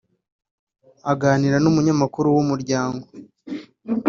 Aganira n’umunyamakuru w’Umuryango